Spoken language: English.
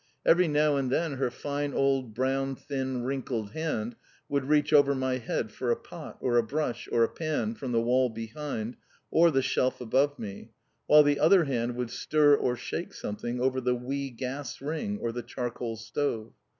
Every now and then her fine, old, brown, thin, wrinkled hand would reach over my head for a pot, or a brush, or a pan, from the wall behind, or the shelf above me, while the other hand would stir or shake something over the wee gas ring or the charcoal stove.